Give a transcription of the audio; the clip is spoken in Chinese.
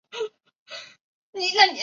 有时有蕈环。